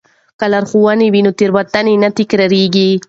که لارښوونه وي نو تېروتنه نه تکراریږي.